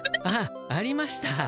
あっありました